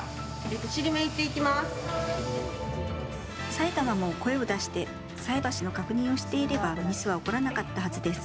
埼玉も声を出して菜箸の確認をしていればミスは起こらなかったはずです。